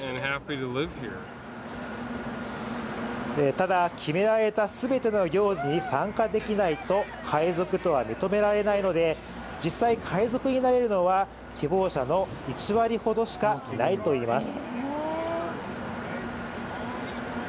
ただ、決められた全ての行事に参加できないと海賊とは認められないので実際、海賊になれるのは希望者の１割ほどしかないといいます。